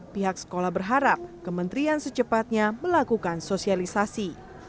pihak sekolah berharap kementerian secepatnya melakukan sosialisasi